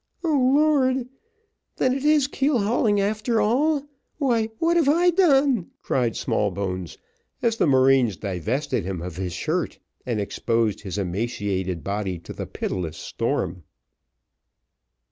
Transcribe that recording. "O Lord! then it is keel hauling a'ter all; why what have I done?" cried Smallbones, as the marines divested him of his shirt, and exposed his emaciated body to the pitiless storm.